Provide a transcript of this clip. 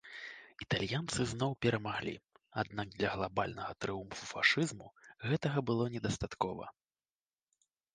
Італьянцы зноў перамаглі, аднак для глабальнага трыумфу фашызму гэтага было недастаткова.